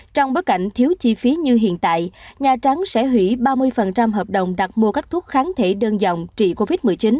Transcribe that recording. trong bối cảnh thiếu chi phí như hiện tại nhà trắng sẽ hủy ba mươi hợp đồng đặt mua các thuốc kháng thể đơn dòng trị covid một mươi chín